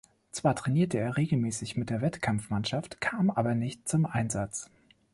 Zwar trainierte er regelmäßig mit der Wettkampfmannschaft, kam aber nicht zum Einsatz.